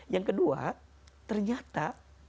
yang kedua ternyata